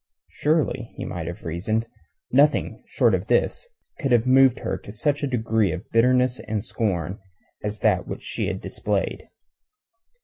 Surely, he might have reasoned, nothing short of this could have moved her to such a degree of bitterness and scorn as that which she had displayed.